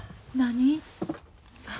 何？